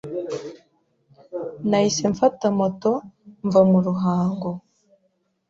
Nahise mfata moto mva mu Ruhango